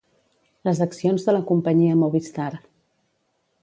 Les accions de la companyia Movistar.